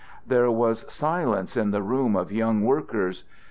There was silence in the room of young workers.